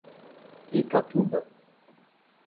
Itatuba